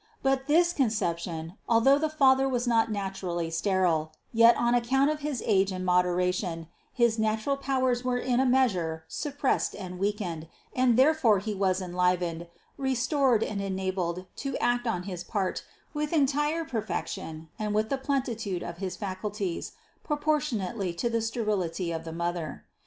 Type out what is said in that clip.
212. But in this Conception, although the father was not naturally sterile, yet on account of his age and mod eration, his natural powers were in a measure suppressed THE CONCEPTION 175 and weakened; and therefore he was enlivened, restored and enabled to act on his part with entire perfection and with the plenitude of his faculties, proportionately to the sterility of the mother.